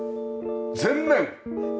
前面！